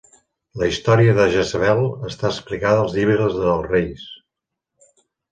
La història de Jezabel està explicada als Llibres dels Reis.